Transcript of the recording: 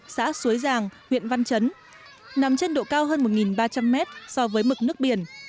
xã suối giàng huyện văn chấn nằm trên độ cao hơn một ba trăm linh mét so với mực nước biển